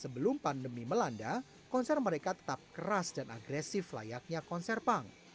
sebelum pandemi melanda konser mereka tetap keras dan agresif layaknya konser punk